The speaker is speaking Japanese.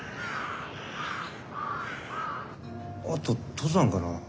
あと登山かな？